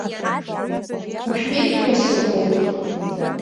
Ушәеит ҳәа сыҟоуп?!